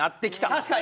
確かに！